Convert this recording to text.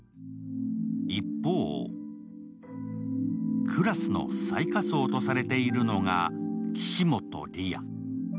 一方、クラスの最下層とされているのが岸本李矢。